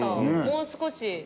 もう少し。